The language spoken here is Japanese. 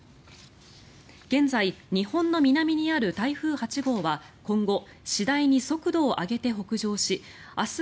現在、日本の南にある台風８号は今後、次第に速度を上げて北上し明日